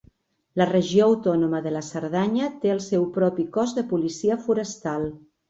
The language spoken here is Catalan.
La Regió Autònoma de la Cerdanya té el seu propi cos de policia forestal.